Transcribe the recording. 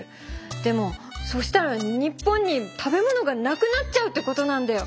でもそうしたら日本に食べ物がなくなっちゃうってことなんだよ！